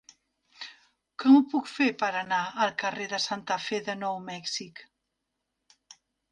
Com ho puc fer per anar al carrer de Santa Fe de Nou Mèxic?